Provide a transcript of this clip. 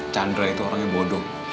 chandra itu orangnya bodoh